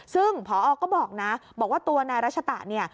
ซึ่งพอก็บอกนะบอกว่าตัวนายรัชตะเนี่ย